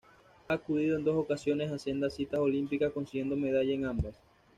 Ha acudido en dos ocasiones a sendas citas olímpicas consiguiendo medalla en ambas.